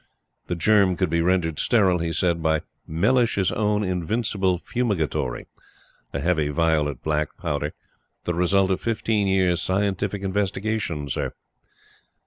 The germ could be rendered sterile, he said, by "Mellish's Own Invincible Fumigatory" a heavy violet black powder "the result of fifteen years' scientific investigation, Sir!"